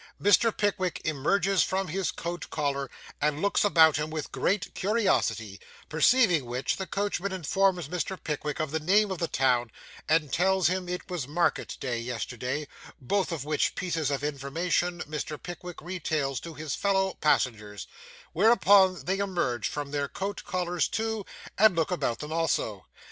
Mr. Pickwick emerges from his coat collar, and looks about him with great curiosity; perceiving which, the coachman informs Mr. Pickwick of the name of the town, and tells him it was market day yesterday, both of which pieces of information Mr. Pickwick retails to his fellow passengers; whereupon they emerge from their coat collars too, and look about them also.